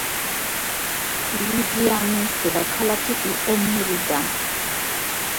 ლუზიტანიის დედაქალაქი იყო მერიდა.